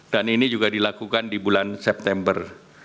dan ini juga dilakukan di bulan september